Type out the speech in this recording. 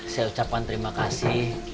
saya ucapkan terima kasih